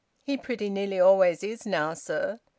He pretty nearly always is now, sir."